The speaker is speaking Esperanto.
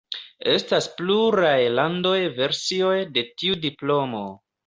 Estas pluraj landaj versioj de tiu diplomo.